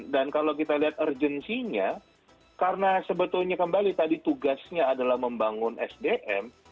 dan kalau kita lihat urgensinya karena sebetulnya kembali tadi tugasnya adalah membangun sdm